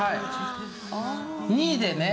２位でね